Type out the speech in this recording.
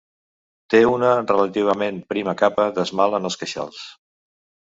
Té una relativament prima capa d'esmalt en els queixals.